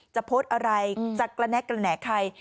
โพสต์อะไรจะกระแนะกระแหนกใคร